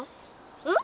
うん？